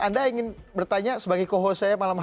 anda ingin bertanya sebagai coho saya malam hari ini